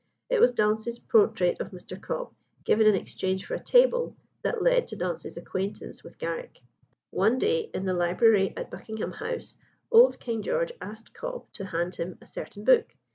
It was Dance's portrait of Mr. Cobb, given in exchange for a table, that led to Dance's acquaintance with Garrick. One day in the library at Buckingham House, old King George asked Cobb to hand him a certain book.